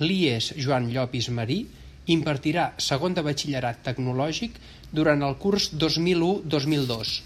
L'IES Joan Llopis Marí impartirà segon de Batxillerat Tecnològic durant el curs dos mil u dos mil dos.